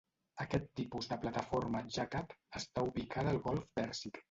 Aquest tipus de plataforma "jackup" està ubicada al golf Pèrsic.